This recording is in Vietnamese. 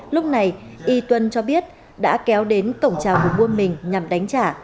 lúc này y tuân cho biết đã kéo đến cổng trào của buôn mình nhằm đánh trả